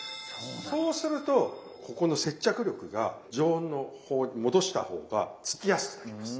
そうするとここの接着力が常温に戻した方がつきやすくなります。